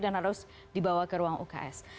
dan harus dibawa ke ruang uks